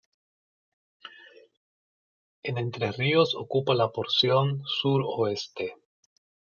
En Entre Ríos ocupa la porción sur-oeste.